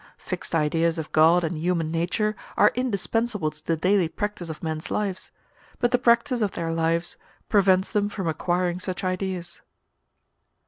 Fixed ideas of God and human nature are indispensable to the daily practice of men's lives; but the practice of their lives prevents them from acquiring such ideas.